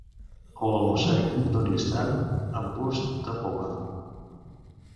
O el mossec d'un instant amb gust de poma.